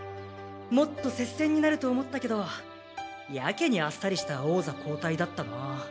もっと接戦になると思ったけどやけにあっさりした王座交代だったな。